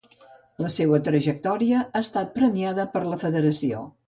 La seua trajectòria ha estat premiada per la federació.